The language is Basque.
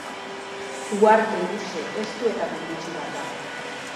Uharte luze, estu eta menditsu bat da.